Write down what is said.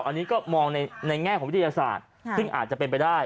อันนี้ก็มองในแง่ของวิทยาศาสตร์ซึ่งอาจจะเป็นไปได้